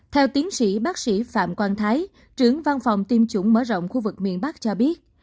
theo tiến sĩ bác sĩ phạm quang thái trưởng văn phòng tiêm chủng mở rộng khu vực miền bắc cho biết